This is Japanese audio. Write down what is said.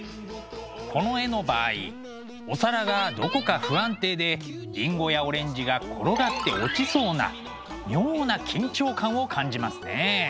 この絵の場合お皿がどこか不安定でりんごやオレンジが転がって落ちそうな妙な緊張感を感じますねえ。